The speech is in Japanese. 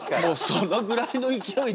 そのぐらいの勢いで。